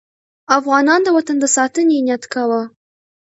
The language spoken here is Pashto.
افغانان د وطن د ساتنې نیت کاوه.